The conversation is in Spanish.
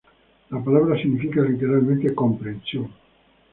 La palabra significa literalmente ‘comprensión’.